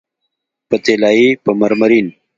په طلایې، په مرمرین